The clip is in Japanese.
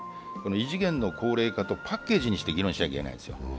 異次元の高齢化とパッケージにして議論しちゃいけないんですよ